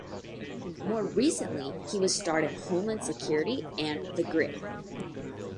More recently, he has starred in "Homeland Security" and "The Grid".